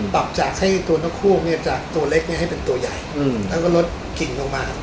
ปรับจากให้ตัวนกฮูกจากตัวเล็กให้เป็นตัวใหญ่แล้วก็ลดกิ่งลงมา